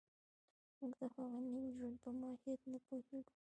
موږ د هغه نوي ژوند په ماهیت نه پوهېږو